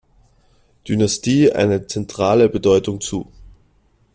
Dynastie eine zentrale Bedeutung zu.